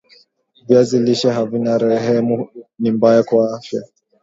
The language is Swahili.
viazi lishe havina rehemu ni mbaya kwa afya